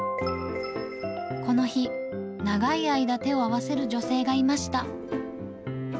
この日、長い間、手を合わせる女性がいました。